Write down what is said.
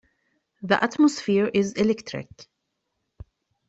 The atmosphere is electric.